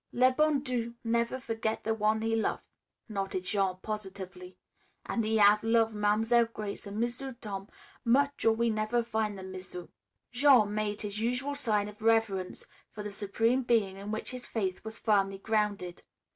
"Le bon Dieu never forget the one' he lov'," nodded Jean positively. "An' he hav' lov' Mam'selle Grace an' M'sieu' Tom much or we never fin' the M'sieu'." Jean made his usual sign of reverence for the Supreme Being in which his faith was firmly grounded.